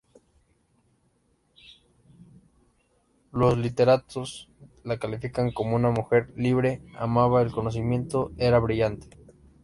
Los literatos la califican como una mujer "libre, amaba el conocimiento, era brillante".